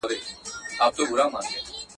په جنګ وتلی د ټولي مځکي.